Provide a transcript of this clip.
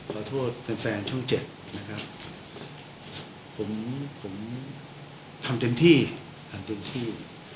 ขอโทษแฟนแฟนช่องเจ็ดนะครับผมผมทำเต็มที่ทำเต็มที่